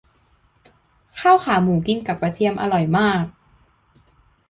ข้าวขาหมูกินกับกระเทียมอร่อยมาก